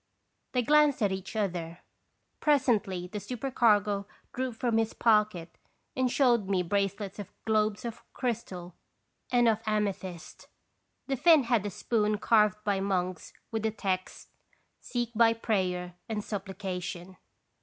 They glanced at each other. Presently the supercargo drew from his pocket and showed me bracelets of globes of crystal and of ame thyst. The Finn had a spoon carved by monks with the text: "Seek by prayer and supplica tion."